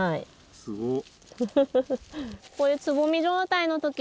すごっ！